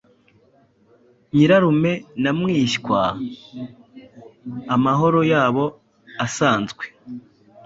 Nyirarume na mwishywa amahoro yabo asanzwe